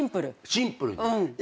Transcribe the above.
シンプルに。